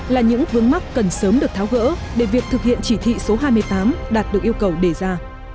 là những vướng mắc cần sớm được tháo gỡ để việc thực hiện chỉ thị số hai mươi tám đạt được yêu cầu đề ra